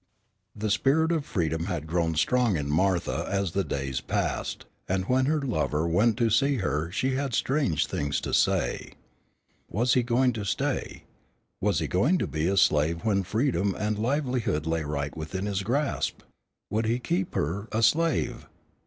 The spirit of freedom had grown strong in Martha as the days passed, and when her lover went to see her she had strange things to say. Was he going to stay? Was he going to be a slave when freedom and a livelihood lay right within his grasp? Would he keep her a slave?